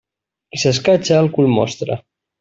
El qui s'acatxa, el cul mostra.